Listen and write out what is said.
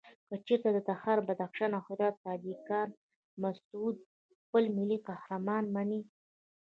کچېرته د تخار، بدخشان او هرات تاجکان مسعود خپل ملي قهرمان مني.